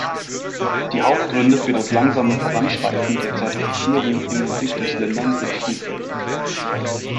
Die Hauptgründe für das langsame Voranschreiten der Zertifizierung in Entwicklungsländern sind vielfältig.